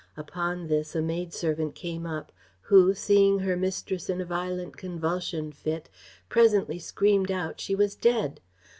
Upon this a maid servant came up, who, seeing her mistress in a violent convulsion fit, presently screamed out she was dead.